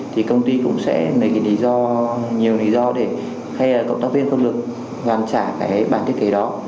thì công ty cũng sẽ lấy cái lý do nhiều lý do để hay là cộng tác viên không được hoàn trả cái bản thiết kế đó